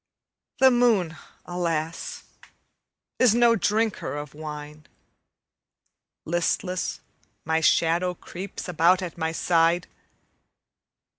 The moon, alas, is no drinker of wine; Listless, my shadow creeps about at my side.